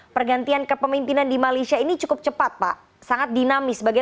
pergantian kepemimpinan di malaysia ini cukup cepat pak sangat dinamis